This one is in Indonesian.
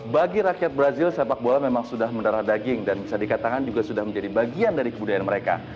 bagi rakyat brazil sepak bola memang sudah mendarah daging dan bisa dikatakan juga sudah menjadi bagian dari kebudayaan mereka